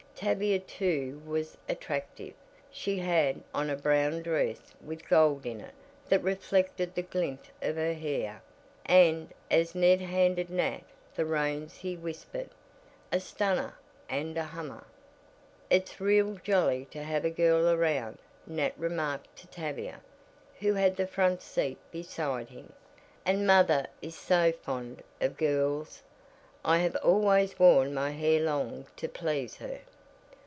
Tavia too was attractive, she had on a brown dress with gold in it that reflected the glint of her hair, and, as Ned handed Nat the reins he whispered: "A stunner and a hummer." "It's real jolly to have a girl around," Nat remarked to Tavia, who had the front seat beside him, "and mother is so fond of girls I have always worn my hair long to please her."